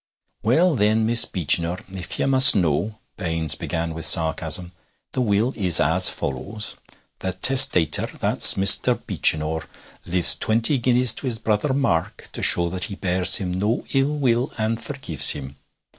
'Well, then, Miss Beechinor, if ye must know,' Baines began with sarcasm, 'the will is as follows: The testator that's Mr. Beechinor leaves twenty guineas to his brother Mark to show that he bears him no ill will and forgives him.